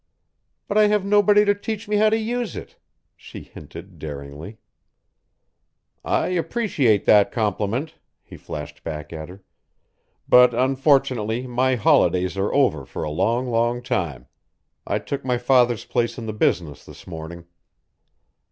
"But I have nobody to teach me how to use it," she hinted daringly. "I appreciate that compliment," he flashed back at her, "but unfortunately my holidays are over for a long, long time. I took my father's place in the business this morning."